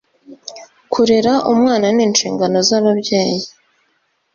kurera umwana n’inshingano z’ababyayi